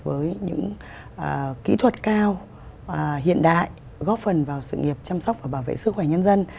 với những kỹ thuật cao hiện đại góp phần vào sự nghiệp chăm sóc và bảo vệ sức khỏe nhân dân